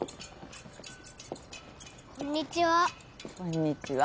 こんにちは。